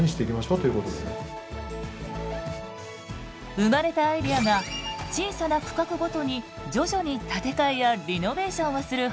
生まれたアイデアが小さな区画ごとに徐々に建て替えやリノベーションをする方法。